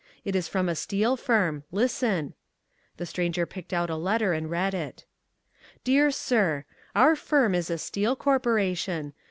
It is from a steel firm. Listen." The Stranger picked out a letter and read it. Dear Sir: Our firm is a Steel Corporation.